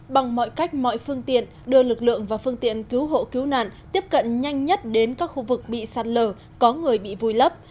bằng mọi cách mọi phương tiện đưa lực lượng và phương tiện cứu hộ cứu nạn tiếp cận nhanh nhất đến các khu vực bị sạt lở có người bị vùi lấp